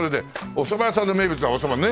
おそば屋さんの名物はおそばねえ。